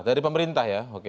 dari pemerintah ya oke